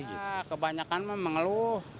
ya kebanyakan memang ngeluh